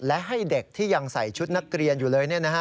และให้เด็กที่ยังใส่ชุดนักเรียนอยู่เลย